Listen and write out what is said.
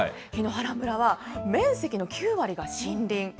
檜原村は、面積の９割が森林。